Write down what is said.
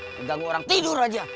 tidak ada orang tidur aja